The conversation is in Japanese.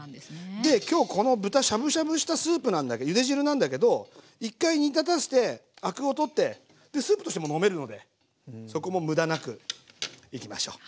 で今日この豚しゃぶしゃぶしたスープゆで汁なんだけど一回煮立たせてアクを取ってでスープとしても飲めるのでそこも無駄なくいきましょう。